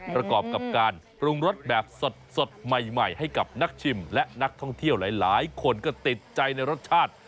ประกอบกับการปรุงรสแบบสดใหม่ให้กับนักชิมและนักท่องเที่ยวหลายคนก็ติดใจในรสชาติ